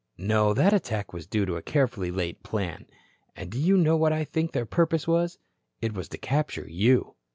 No, that attack was due to a carefully laid plan. And do you know what I think their purpose was? It was to capture you."